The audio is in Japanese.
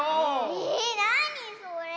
えなにそれ？